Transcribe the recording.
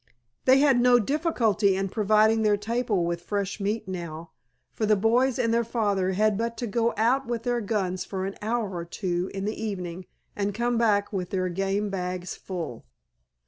They had no difficulty in providing their table with fresh meat now, for the boys and their father had but to go out with their guns for an hour or two in the evening and come back with their game bags full.